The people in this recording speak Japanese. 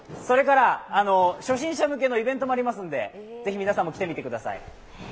初心者向けのイベントもありますので是非、皆さんも来てみてください。